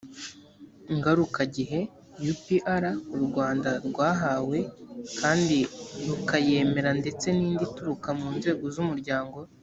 ngarukagihe upr u rwanda rwahawe kandi rukayemera ndetse n indi ituruka mu nzego z umuryango